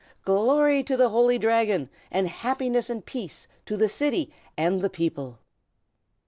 Glory to the Holy Dragon, and happiness and peace to the city and the people!"